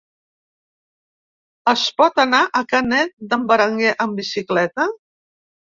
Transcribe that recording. Es pot anar a Canet d'en Berenguer amb bicicleta?